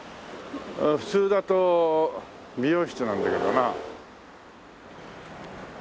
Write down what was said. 普通だと美容室なんだけどな。